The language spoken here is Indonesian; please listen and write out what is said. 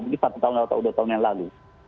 mungkin satu tahun atau dua tahun yang lalu